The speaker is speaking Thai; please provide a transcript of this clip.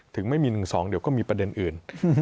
ถึงไม่มี๑๒เดี๋ยวก็มีประเด็นอื่น